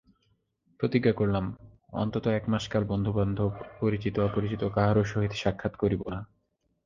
প্রতিজ্ঞা করিলাম, অন্তত একমাসকাল বন্ধুবান্ধব পরিচিত অপরিচিত কাহারও সহিত সাক্ষাৎ করিব না।